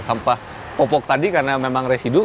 sampah popok tadi karena memang residu